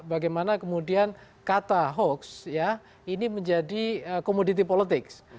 bagaimana kemudian kata hoax ya ini menjadi komoditi politik